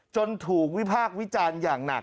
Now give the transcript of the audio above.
จนถูกวิพากษ์วิจารณ์อย่างหนัก